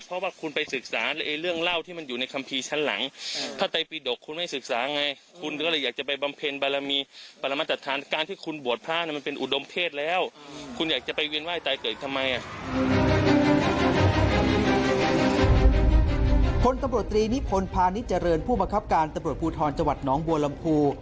ผู้บังคับการณ์ตำรวจภูทรจวัดน้องบัวลำภู